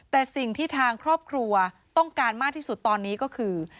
แต่สิ่งที่ทางครอบครัวต้องการมากที่สุดตอนนี้ก็คือ